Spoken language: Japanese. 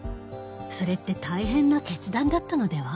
それって大変な決断だったのでは？